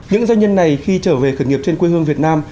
những doanh nhân này khi trở về khởi nghiệp trên quê hương việt nam